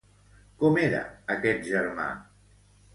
Com era aquest germà?